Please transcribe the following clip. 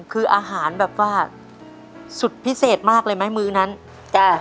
คืออาหารแบบว่าสุดพิเศษมากเลยไหมมื้อนั้นจ้ะ